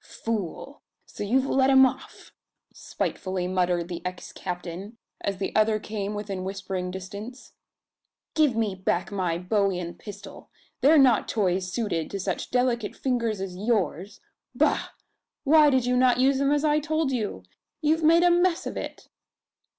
"Fool! So you've let him off?" spitefully muttered the ex captain, as the other came within whispering distance. "Give me back my bowie and pistol. They're not toys suited to such delicate fingers as yours! Bah! Why did you not use them as I told you? You've made a mess of it!"